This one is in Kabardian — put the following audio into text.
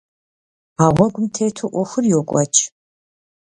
А гъуэгум тету Ӏуэхур йокӀуэкӀ.